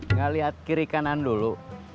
nggak lihat kiri kanan dulu